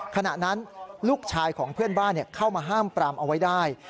ขณะนั้นลูกชายของเพื่อนบ้านเข้ามาห้ามปรามเอาไว้ได้